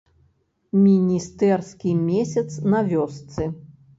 Міністэрскі месяц на вёсцы.